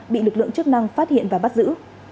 bị lực lượng chức năng phát hiện và bắt giữ